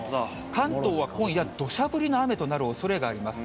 関東は今夜、どしゃ降りの雨となるおそれがあります。